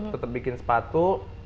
tetap bikin sepatu